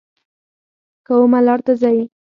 کومه لار ته ځئ؟